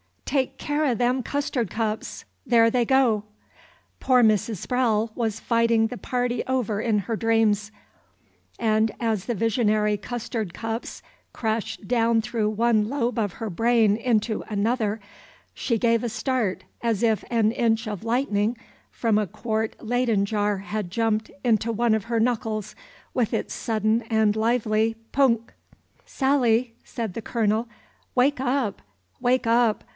"Take care o' them custard cups! There they go!" Poor Mrs. Sprowle was fighting the party over in her dream; and as the visionary custard cups crashed down through one lobe of her brain into another, she gave a start as if an inch of lightning from a quart Leyden jar had jumped into one of her knuckles with its sudden and lively poonk! "Sally!" said the Colonel, "wake up, wake up.